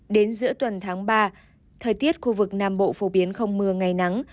đến giữa tuần tháng ba thời tiết khu vực nam bộ phổ biến không mưa ngày nắng